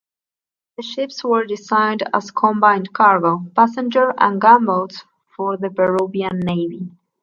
The ships were designed as combined cargo, passenger and gunboats for the Peruvian Navy.